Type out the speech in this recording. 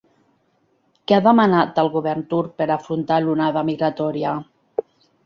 Què ha demanat el govern turc per afrontar l'onada migratòria?